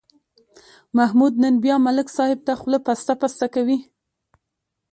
محمود نن بیا ملک صاحب ته خوله پسته پسته کوي.